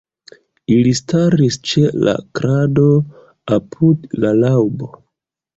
Ili staris ĉe la krado, apud la laŭbo.